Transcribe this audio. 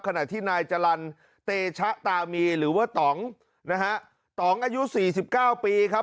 ขณะที่นายจรรย์เตชะตามีหรือว่าตำนะฮะตำอายุสี่สิบเก้าปีครับ